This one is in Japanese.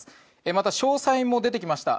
また、詳細も出てきました。